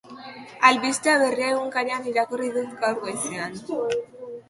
Albistea Berria egunkarian irakurri dut gaur goizean.